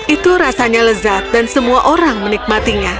itu rasanya lezat dan semua orang menikmatinya